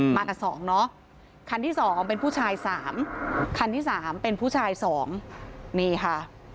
มากัน๒เนาะคันที่๒เป็นผู้ชาย๓คันที่๓เป็นผู้ชาย๒นี่ค่ะ